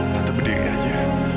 tante berdiri saja